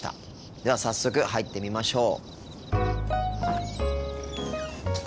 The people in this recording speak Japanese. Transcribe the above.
では早速入ってみましょう。